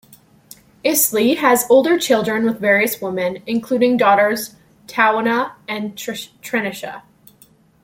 Isley has older children with various women, including daughters Tawanna and Trenisha.